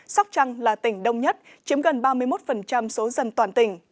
sóc trăng là tỉnh đông nhất chiếm gần ba mươi một số dân toàn tỉnh